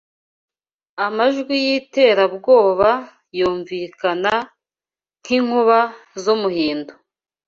amajwi y'iterabwoba, Yunvikana, nk'inkuba z'umuhindo